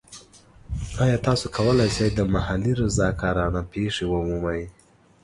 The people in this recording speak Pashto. ایا تاسو کولی شئ د محلي رضاکارانه پیښه ومومئ؟